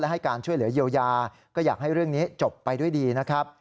ให้การช่วยเหลือเยียวยาก็อยากให้เรื่องนี้จบไปด้วยดีนะครับ